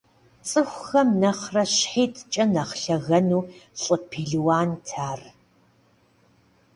ЦӀыхухэм нэхърэ щхьитӀкӀэ нэхъ лъэгэну лӀы пелуант ар.